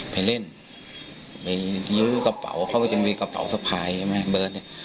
ไปเล่นไปลื้อกระเป๋าเขาก็ยังมีกระเป๋าสะพายใช่ไหมเบิร์ตเนี่ย